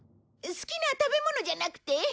好きな食べ物じゃなくて？